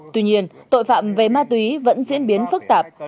tuy nhiên tội phạm về ma túy vẫn diễn biến phức tạp